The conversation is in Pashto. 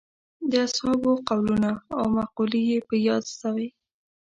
د اصحابو قولونه او مقولې یې په یاد زده وې.